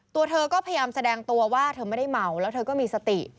ตัวเธอก็พยายามแสดงตัวว่าเธอไม่ได้เมาแล้วเธอก็มีสติ